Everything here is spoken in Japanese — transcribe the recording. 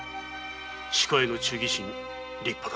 主家への忠義心立派だ。